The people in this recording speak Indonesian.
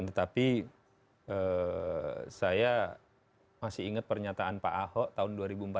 tetapi saya masih ingat pernyataan pak ahok tahun dua ribu empat belas